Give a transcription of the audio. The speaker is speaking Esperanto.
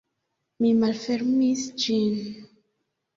Mi malfermis ĝin.